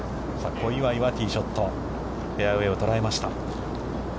小祝はティーショット、フェアウェイを捉えました。